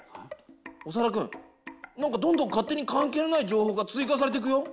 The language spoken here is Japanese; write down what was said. オサダくん何かどんどん勝手に関係のない情報が追加されていくよ。